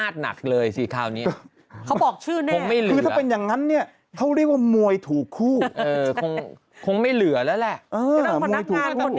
จะไม่มีคนนั่งอยู่ข้างล่าง